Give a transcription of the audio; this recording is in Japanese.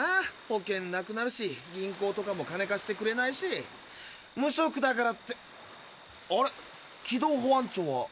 保険なくなるし銀行とかも金貸してくれないし無職だからってあれ軌道保安庁は？